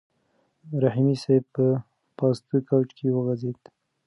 رحیمي صیب په پاسته کوچ کې وغځېد.